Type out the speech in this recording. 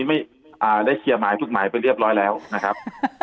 ไม่ได้เคลียร์หมายทุกหมายไปเรียบร้อยแล้วนะครับ